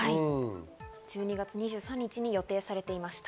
１２月２３日に予定されていました。